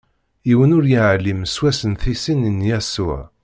Yiwen ur iɛlim s wass n tisin n Yasuɛ.